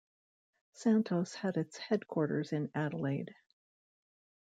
Santos has its headquarters in Adelaide.